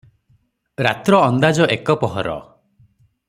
ରାତ୍ର ଅନ୍ଦାଜ ଏକ ପହର ।